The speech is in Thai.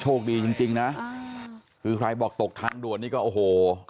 โชคดีจริงจริงนะคือใครบอกตกทางด่วนนี่ก็โอ้โห